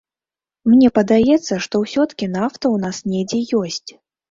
Мне падаецца, што ўсё-ткі нафта ў нас недзе ёсць.